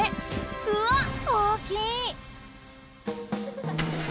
うわ大きい！